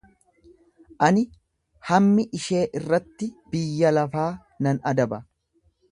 Ani hammi ishee irratti biyya lafaa nan adaba.